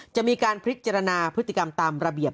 จะมีการพิจารณาพฤติกรรมตามระเบียบ